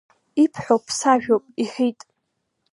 Ибҳәо ԥсажәоуп, иҳәит.